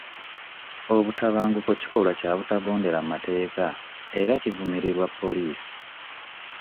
Obutabanguko kikolwa kya butagondera mateeka era kivumirirwa poliisi.